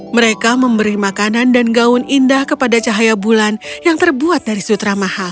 mereka memberi makanan dan gaun indah kepada cahaya bulan yang terbuat dari sutra mahal